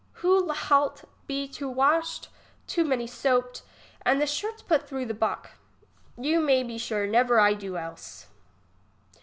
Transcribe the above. Who Ihat be too washed, too many soaped, and the shirts put through the buck. You may be sure ; never I do else.